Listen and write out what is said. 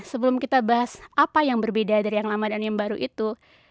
sebelum kita bahas apa yang berbeda dari yang lama dan yang baru itu